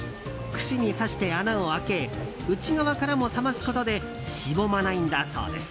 串に刺して穴を開け内側からも冷ますことでしぼまないんだそうです。